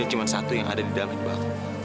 dan cuma satu yang ada di dalamnya juga aku